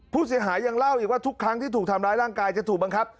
ผู้เสียหายยังเล่าอีกว่าทุกครั้งที่ถูกทำร้ายร่างกายจะถูกบังคับ